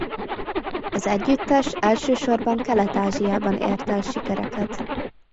Az együttes elsősorban Kelet-Ázsiában ért el sikereket.